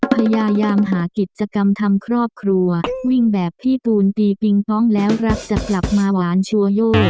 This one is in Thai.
พยายามหากิจกรรมทำครอบครัววิ่งแบบพี่ตูนตีปิงปองแล้วรักจะกลับมาหวานชัวโย